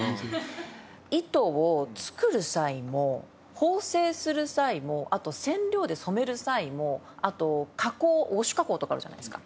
糸を作る際も縫製する際もあと染料で染める際もあと加工ウォッシュ加工とかあるじゃないですか。